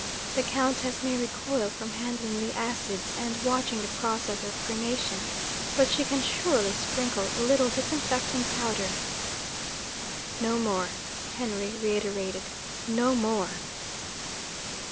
The Countess may recoil from handling the acids and watching the process of cremation; but she can surely sprinkle a little disinfecting powder ' 'No more!' Henry reiterated. 'No more!'